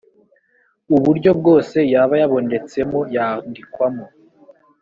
uburyo bwose yaba yabonetsemo yandikwamo.